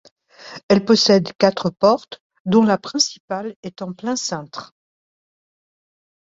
Elle possède quatre portes dont la principale est en plein cintre.